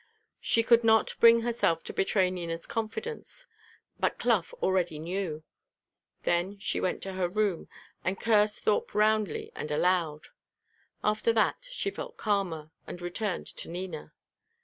She could not bring herself to betray Nina's confidence; but Clough already knew. Then she went to her room, and cursed Thorpe roundly and aloud. After that she felt calmer, and returned to Nina.